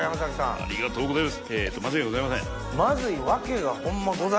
ありがとうございます！